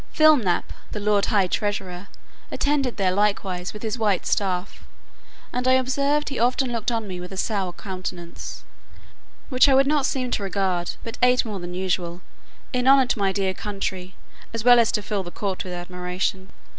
Flimnap, the lord high treasurer, attended there likewise with his white staff; and I observed he often looked on me with a sour countenance, which I would not seem to regard, but ate more than usual, in honour to my dear country, as well as to fill the court with admiration.